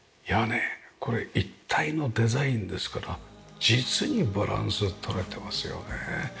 これ一体のデザインですから実にバランスが取れてますよね。